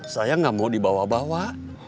saya nggak mau dibawa bawa